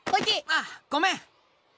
ああごめん。